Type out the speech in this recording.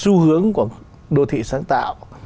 xu hướng của đô thị sáng tạo